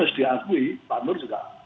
harus diakui pak nur juga